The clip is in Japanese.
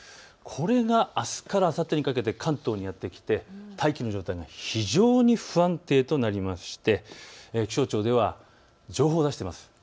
これがあすからあさってにかけて関東にやって来て大気の状態が非常に不安定となりまして気象庁では情報を出しています。